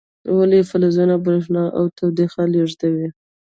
ولې فلزونه برېښنا او تودوخه لیږدوي؟